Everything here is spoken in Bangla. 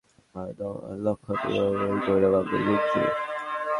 লখনৌ এর গর্ব আমাদের গুঞ্জু।